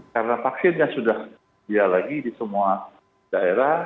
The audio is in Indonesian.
karena vaksinnya sudah dia lagi di semua daerah